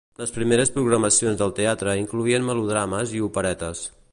Les primeres programacions del teatre incloïen melodrames i operetes.